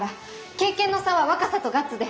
経験の差は若さとガッツで。